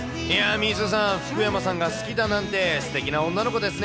みーすーさん、福山さんが好きだなんて、すてきな女の子ですね。